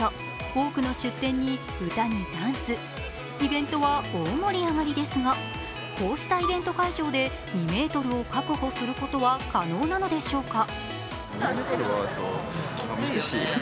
多くの出店に歌にダンス、イベントは大盛り上がりですが、こうしたイベント会場で２ｍを確保することは可能なのでしょうか？